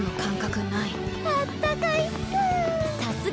あったかいっす。